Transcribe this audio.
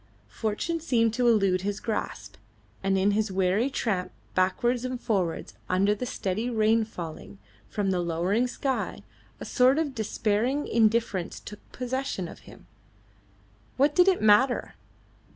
Fortune seemed to elude his grasp, and in his weary tramp backwards and forwards under the steady rain falling from the lowering sky, a sort of despairing indifference took possession of him. What did it matter?